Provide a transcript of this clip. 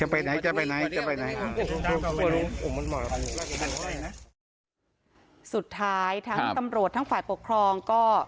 อ๋อจะไปไหนจะไปไหนจะไปไหนสุดท้ายทั้งตำรวจทั้งฝ่ายปกครองก็